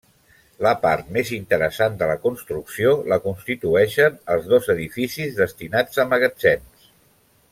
La part més interessant de la construcció la constitueixen els dos edificis destinats a magatzems.